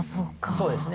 そうですね。